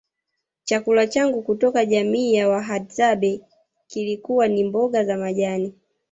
chakula changu kutoka jamii ya Wahadzabe kilikuwa ni mboga za majani